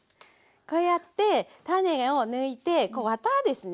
こうやって種を抜いてワタですね。